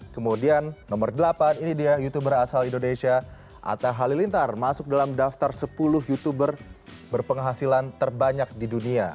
kemudian nomor delapan ini dia youtuber asal indonesia atta halilintar masuk dalam daftar sepuluh youtuber berpenghasilan terbanyak di dunia